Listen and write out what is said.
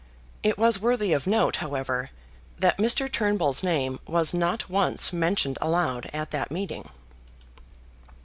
It was worthy of note, however, that Mr. Turnbull's name was not once mentioned aloud at that meeting.